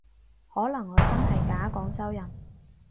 可能我真係假廣州人